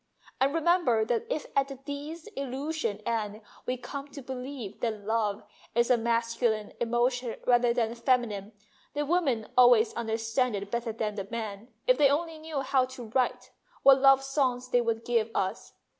And remember that if at the disillusioned end we come to believe that love is a masculine emotion rather than feminine, the women always understand it better than the men. If they only knew how to write, what love songs they would give us